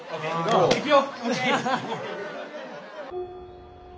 行くよ。